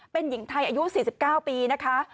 เป็นหญิงไทยอายุ๔๙ปีนะคะ